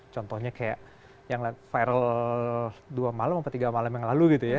contohnya kayak yang viral dua malem apa tiga malem yang lalu gitu ya